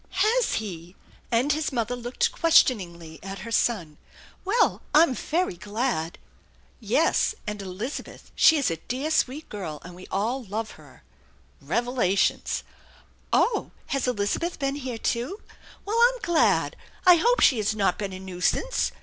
" Has he ?" and his mother looked questioningly at her son. " Well, I'm very glad " "Yes, and Elizabeth! She is a dear sweet girl, and we all love her!" THE ENCHANTED BARN 165 Revelations ! "Oh, has Elizabeth been here too? Well, I'm glad. I hope she has not been a nuisance.